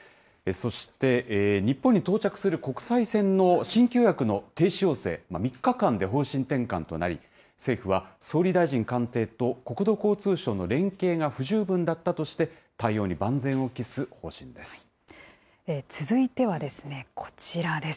そして、日本に到着する国際線の新規予約の停止要請、３日間で方針転換となり、政府は総理大臣官邸と国土交通省の連携が不十分だったとして、対続いてはこちらです。